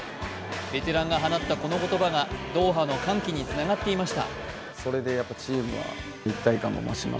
ベテランが放ったこの言葉がドーハの歓喜につながっていました。